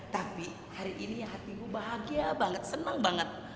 tapi hari ini ya hati gue bahagia banget senang banget